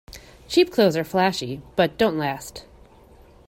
Cheap clothes are flashy but don't last.